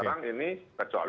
sekarang ini kecuali